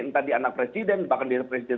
entah di anak presiden bahkan di anak presiden